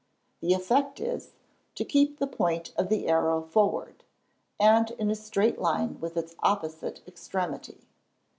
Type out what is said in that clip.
The effect is, to keep the point of the arrow forward, and in a straight line with its opposite extremity.